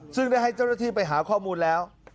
ซึ่งได้ให้เจ้าหน้าที่ไปหาข้อมูลแล้ว